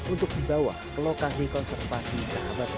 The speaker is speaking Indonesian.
untuk dibawa ke lokasi kompor